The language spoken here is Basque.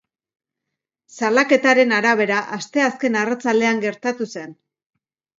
Salaketaren arabera, asteazken arratsaldean gertatu zen.